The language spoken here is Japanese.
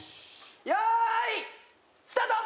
よーいスタート！